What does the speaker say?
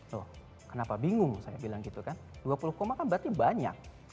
loh kenapa bingung saya bilang gitu kan dua puluh koma kan berarti banyak